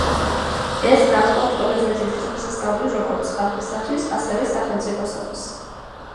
ეს გახლავთ ყველაზე დიდი დღესასწაული როგორც ხალხისათვის, ასევე სახელმწიფოსათვის.